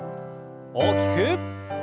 大きく。